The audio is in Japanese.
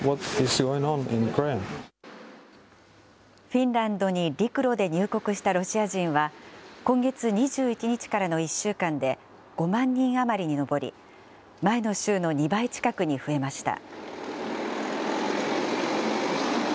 フィンランドに陸路で入国したロシア人は、今月２１日からの１週間で５万人余りに上り、前の週の２倍近くに増えました。